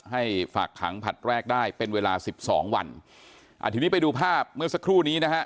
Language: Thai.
ให้ฝากขังผลัดแรกได้เป็นเวลาสิบสองวันอ่าทีนี้ไปดูภาพเมื่อสักครู่นี้นะฮะ